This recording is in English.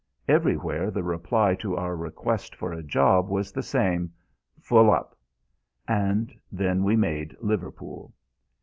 Everywhere the reply to our request for a job was the same: Full Up. And then we made Liverpool.